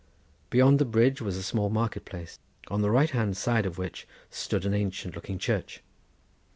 Beyond the bridge was a small market place, on the right hand side of which stood an ancient looking church.